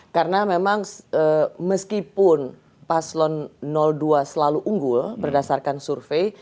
karena memang meskipun paslon dua selalu unggul berdasarkan survei